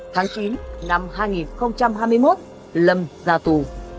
tháng chín năm hai nghìn hai mươi một lâm ra tù